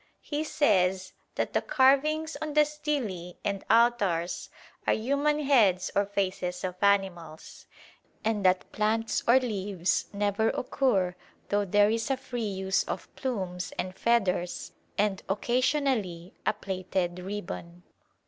He says that the carvings on the stelae and altars are human heads or faces of animals, and that plants or leaves never occur though there is a free use of plumes and feathers and occasionally a plaited ribbon.